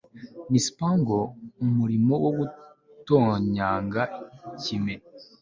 Ni spangleumurimo wo gutonyanga ikime